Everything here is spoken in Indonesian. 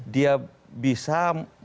dia bisa membangun